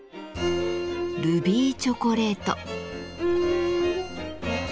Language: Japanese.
「ルビーチョコレート」。